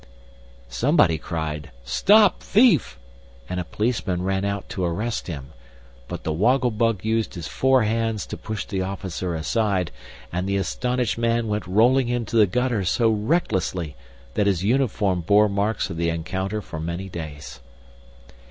Somebody cried: "Stop, thief!" and a policeman ran out to arrest him. But the Woggle Bug used his four hands to push the officer aside, and the astonished man went rolling into the gutter so recklessly that his uniform bore marks of the encounter for many days.